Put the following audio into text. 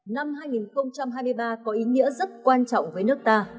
năm hai nghìn hai mươi ba có ý nghĩa rất quan trọng với nước ta